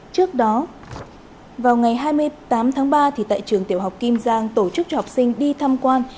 trước đó vào ngày hai mươi tám tháng ba tại trường tiểu học kim giang tổ chức cho học sinh đi tham quan